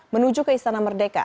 menuju ke istana merdeka